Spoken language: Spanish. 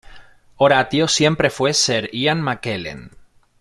Horatio siempre fue Sir Ian McKellen.